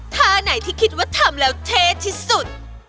ท่าไหนที่คิดว่าทำแล้วเท่ที่สุด